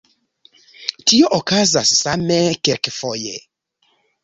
Tio okazas same kelkfoje.